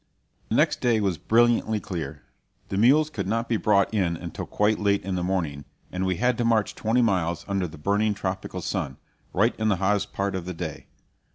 Next day was brilliantly clear. The mules could not be brought in until quite late in the morning, and we had to march twenty miles under the burning tropical sun, right in the hottest part of the day.